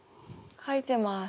書いてます。